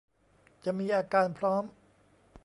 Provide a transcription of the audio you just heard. จะมีอาการพร้อม